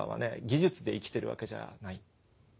技術で生きてるわけじゃない。